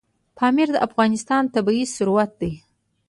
پامیر د افغانستان طبعي ثروت دی.